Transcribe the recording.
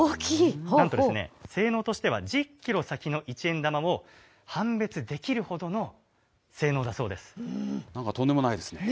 なんとですね、性能としては、１０キロ先の一円玉を判別できるなんか、とんでもないですね。